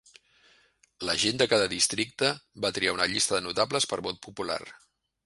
La gent de cada districte va triar una llista de "notables" per vot popular.